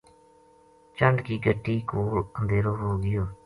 چنڈ کی گَٹی کول اندھیرو ہو گیو